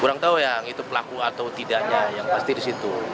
kurang tahu yang itu pelaku atau tidaknya yang pasti di situ